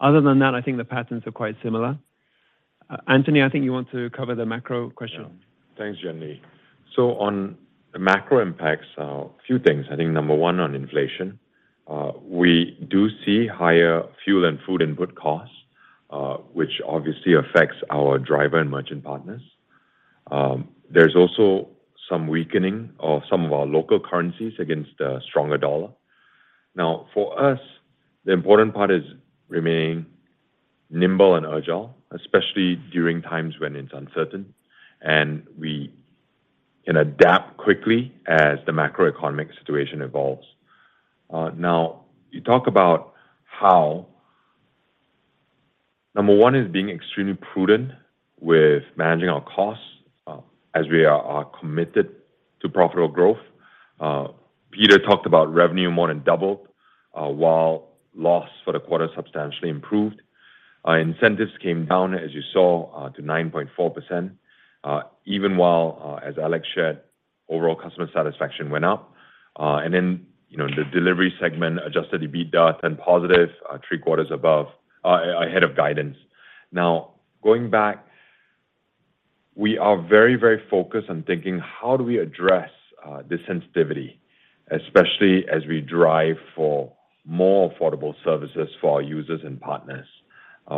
Other than that, I think the patterns are quite similar. Anthony, I think you want to cover the macro question. Yeah. Thanks, Jan Lee. On the macro impacts, a few things. I think number one on inflation, we do see higher fuel and food input costs, which obviously affects our driver and merchant partners. There's also some weakening of some of our local currencies against a stronger dollar. Now, for us, the important part is remaining nimble and agile, especially during times when it's uncertain and we can adapt quickly as the macroeconomic situation evolves. Now you talk about how number one is being extremely prudent with managing our costs, as we are committed to profitable growth. Peter talked about revenue more than doubled, while loss for the quarter substantially improved. Incentives came down, as you saw, to 9.4%, even while, as Alex shared, overall customer satisfaction went up. You know, the delivery segment adjusted EBITDA at 10 positive, three quarters ahead of guidance. Now, going back, we are very, very focused on thinking how do we address the sensitivity, especially as we drive for more affordable services for our users and partners.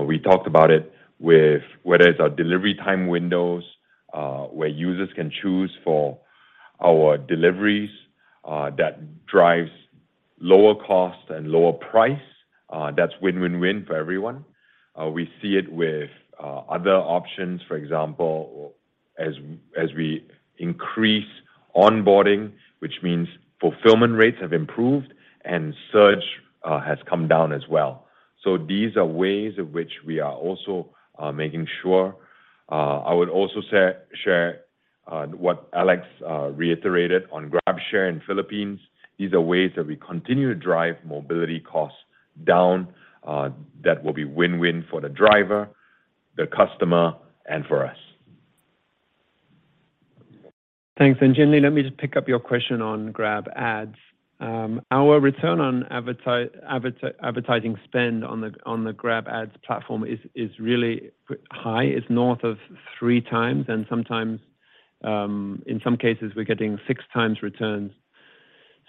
We talked about it with whether it's our delivery time windows, where users can choose for our deliveries, that drives lower cost and lower price. That's win-win-win for everyone. We see it with other options. For example, as we increase onboarding, which means fulfillment rates have improved and search has come down as well. These are ways of which we are also making sure. I would also share what Alex reiterated on GrabShare in Philippines. These are ways that we continue to drive mobility costs down, that will be win-win for the driver, the customer, and for us. Thanks. Jan, let me just pick up your question on GrabAds. Our return on advertising spend on the GrabAds platform is really high. It's north of 3 times and sometimes in some cases we're getting 6 times returns.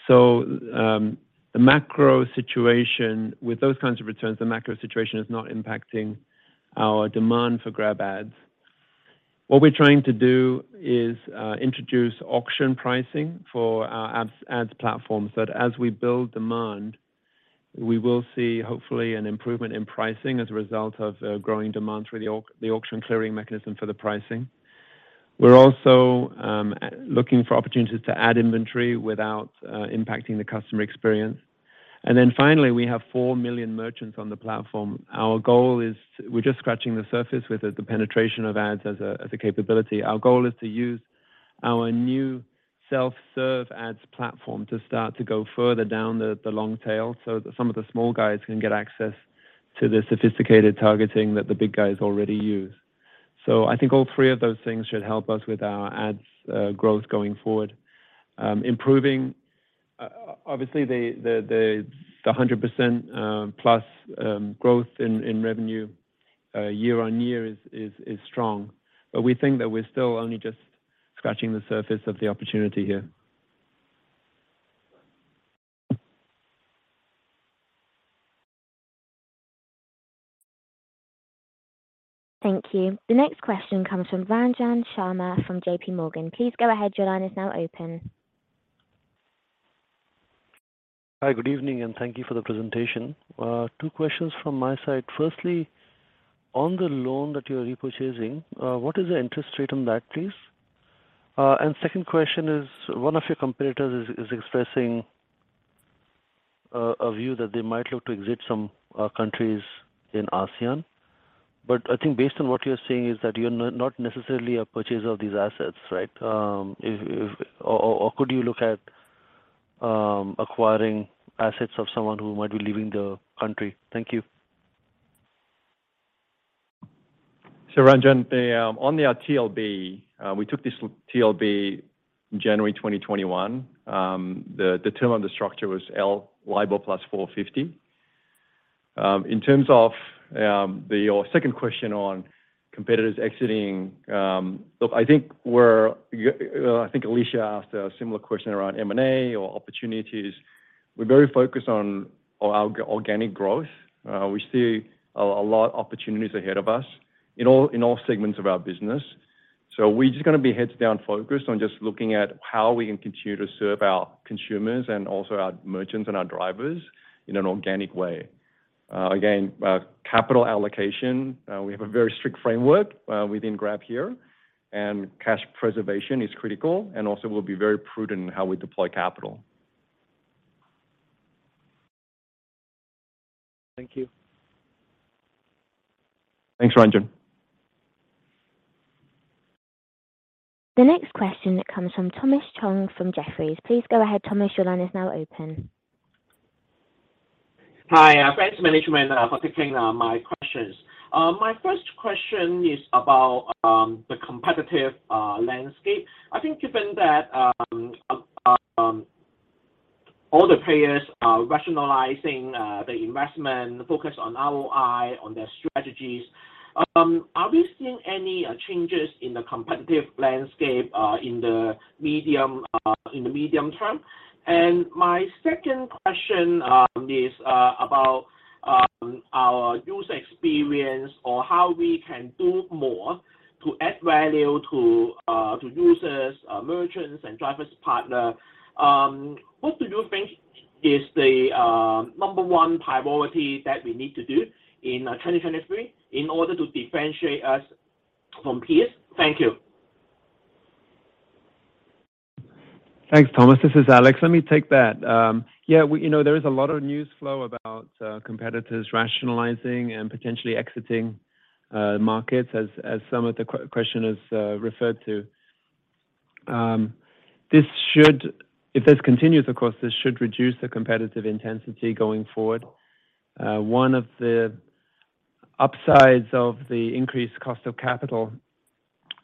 The macro situation with those kinds of returns is not impacting our demand for GrabAds. What we're trying to do is introduce auction pricing for our ads platform, so that as we build demand, we will see hopefully an improvement in pricing as a result of growing demand through the auction clearing mechanism for the pricing. We're also looking for opportunities to add inventory without impacting the customer experience. Then finally, we have 4 million merchants on the platform. Our goal is we're just scratching the surface with the penetration of ads as a capability. Our goal is to use our new self-serve ads platform to start to go further down the long tail so that some of the small guys can get access to the sophisticated targeting that the big guys already use. I think all three of those things should help us with our ads growth going forward. Improving obviously the 100% plus growth in revenue year-over-year is strong. We think that we're still only just scratching the surface of the opportunity here. Thank you. The next question comes from Ranjan Sharma from JPMorgan. Please go ahead. Your line is now open. Hi. Good evening, and thank you for the presentation. Two questions from my side. Firstly, on the loan that you're repurchasing, what is the interest rate on that, please? Second question is, one of your competitors is expressing a view that they might look to exit some countries in ASEAN. I think based on what you're saying is that you're not necessarily a purchaser of these assets, right? Could you look at acquiring assets of someone who might be leaving the country? Thank you. Ranjan, on the TLB, we took this TLB January 2021. The term of the structure was LIBOR plus 450. In terms of your second question on competitors exiting, look, I think Alicia asked a similar question around M&A or opportunities. We're very focused on our organic growth. We see a lot of opportunities ahead of us in all segments of our business. We're just gonna be heads down focused on just looking at how we can continue to serve our consumers and also our merchants and our drivers in an organic way. Again, capital allocation, we have a very strict framework within Grab here, and cash preservation is critical and also we'll be very prudent in how we deploy capital. Thank you. Thanks, Ranjan. The next question comes from Thomas Chong from Jefferies. Please go ahead, Thomas. Your line is now open. Hi. Thanks management for taking my questions. My first question is about the competitive landscape. I think given that all the players are rationalizing the investment focus on ROI on their strategies, are we seeing any changes in the competitive landscape in the medium term? My second question is about our user experience or how we can do more to add value to users, merchants and drivers partner. What do you think is the number one priority that we need to do in 2023 in order to differentiate us from peers? Thank you. Thanks, Thomas. This is Alex. Let me take that. Yeah. We, you know, there is a lot of news flow about competitors rationalizing and potentially exiting markets as some of the question is referred to. This should. If this continues, of course, this should reduce the competitive intensity going forward. One of the upsides of the increased cost of capital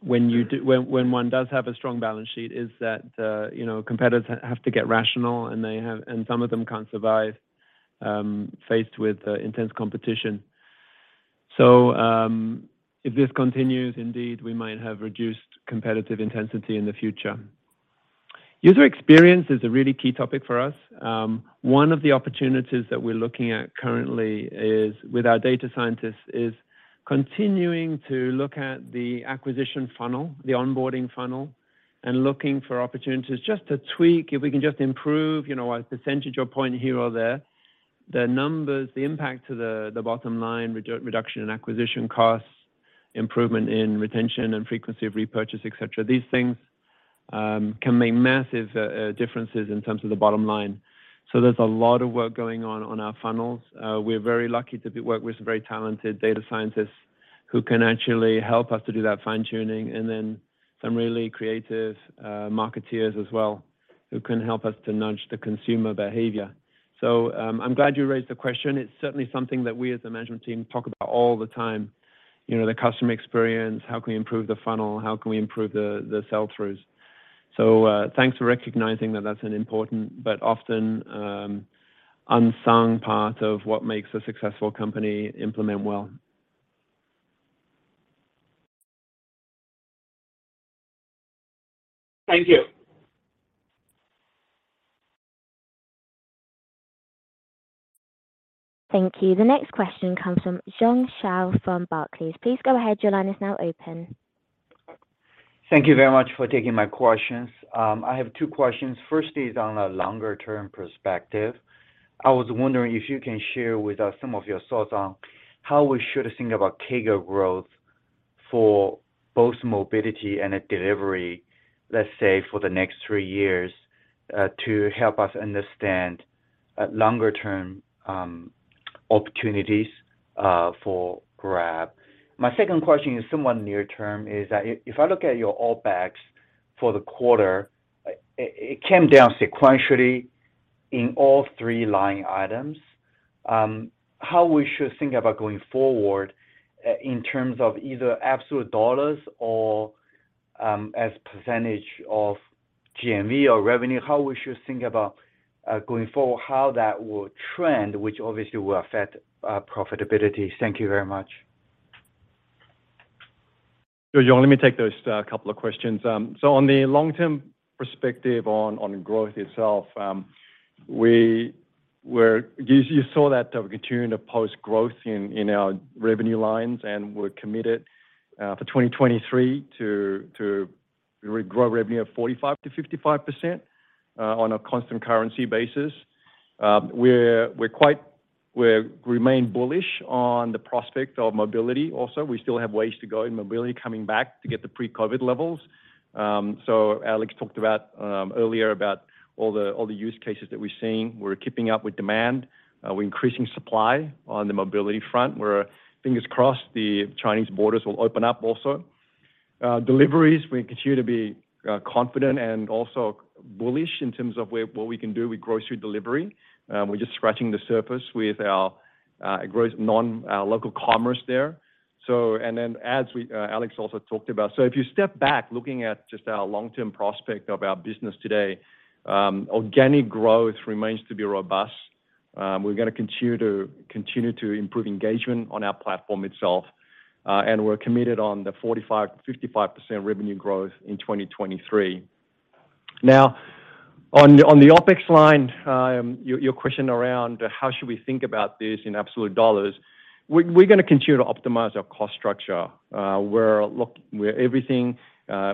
when one does have a strong balance sheet is that, you know, competitors have to get rational, and some of them can't survive faced with intense competition. If this continues, indeed, we might have reduced competitive intensity in the future. User experience is a really key topic for us. One of the opportunities that we're looking at currently is, with our data scientists, continuing to look at the acquisition funnel, the onboarding funnel, and looking for opportunities just to tweak. If we can just improve, you know, a percentage or point here or there. The numbers, the impact to the bottom line, reduction in acquisition costs, improvement in retention and frequency of repurchase, etc., these things. Can make massive differences in terms of the bottom line. There's a lot of work going on on our funnels. We're very lucky to be working with some very talented data scientists who can actually help us to do that fine-tuning, and then some really creative marketers as well, who can help us to nudge the consumer behavior. I'm glad you raised the question. It's certainly something that we as a management team talk about all the time, you know, the customer experience, how can we improve the funnel, how can we improve the sell-throughs. Thanks for recognizing that that's an important but often unsung part of what makes a successful company implement well. Thank you. Thank you. The next question comes from Jiong Shao from Barclays. Please go ahead, your line is now open. Thank you very much for taking my questions. I have two questions. First is on a longer-term perspective. I was wondering if you can share with us some of your thoughts on how we should think about CAGR growth for both mobility and deliveries, let's say for the next three years, to help us understand longer-term opportunities for Grab. My second question is somewhat near term, is that if I look at your all bags for the quarter, it came down sequentially in all three line items. How we should think about going forward in terms of either absolute dollars or as percentage of GMV or revenue, how we should think about going forward, how that will trend, which obviously will affect profitability. Thank you very much. Jiong Shao, let me take those couple of questions. On the long-term perspective on growth itself, we were. You saw that we continue to post growth in our revenue lines, and we're committed for 2023 to re-grow revenue of 45%-55% on a constant currency basis. We're quite. We remain bullish on the prospect of mobility also. We still have ways to go in mobility coming back to get the pre-COVID levels. Alex talked about earlier about all the use cases that we're seeing. We're keeping up with demand. We're increasing supply on the mobility front. We're fingers crossed the Chinese borders will open up also. Deliveries, we continue to be confident and also bullish in terms of what we can do with grocery delivery. We're just scratching the surface with our gross non-local commerce there. Alex also talked about. If you step back looking at just our long-term prospects of our business today, organic growth remains to be robust. We're gonna continue to improve engagement on our platform itself, and we're committed to the 45%-55% revenue growth in 2023. Now, on the OpEx line, your question around how should we think about this in absolute dollars, we're gonna continue to optimize our cost structure. We're looking at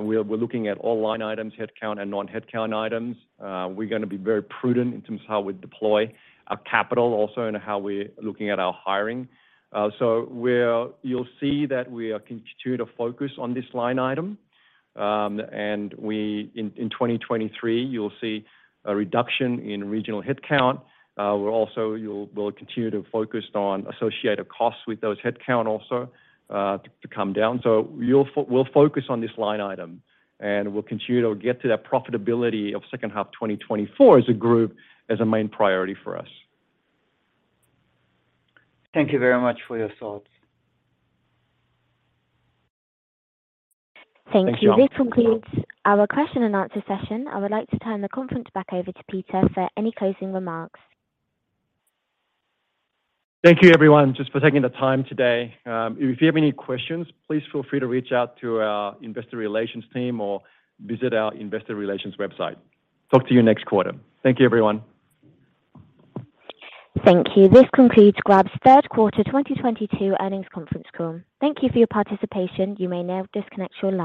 all line items, headcount and non-headcount items. We're gonna be very prudent in terms of how we deploy our capital also and how we're looking at our hiring. You'll see that we continue to focus on this line item. In 2023, you'll see a reduction in regional headcount. We'll also continue to focus on associated costs with those headcount also to come down. We'll focus on this line item, and we'll continue to get to that profitability of H2 2024 as a group, as a main priority for us. Thank you very much for your thoughts. Thank you. Thanks, Jiong. This concludes our question and answer session. I would like to turn the conference back over to Peter for any closing remarks. Thank you everyone just for taking the time today. If you have any questions, please feel free to reach out to our investor relations team or visit our investor relations website. Talk to you next quarter. Thank you, everyone. Thank you. This concludes Grab's third quarter 2022 earnings conference call. Thank you for your participation. You may now disconnect your line.